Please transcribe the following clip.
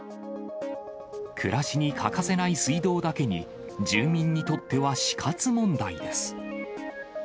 暮らしに欠かせない水道だけに、住民にとっては死活問題です。